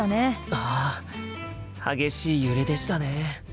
ああ激しい揺れでしたね。